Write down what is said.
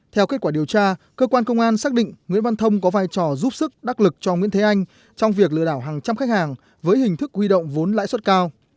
theo kết quả điều tra cơ quan công an xác định nguyễn văn thông có vai trò giúp sức đắc lực cho nguyễn thế anh trong việc lừa đảo hàng trăm khách hàng với hình thức huy động vốn lãi suất cao